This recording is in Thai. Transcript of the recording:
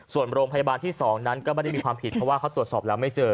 ส่วนโรงพยาบาลที่๒นั้นก็ไม่ได้มีความผิดเพราะว่าเขาตรวจสอบแล้วไม่เจอ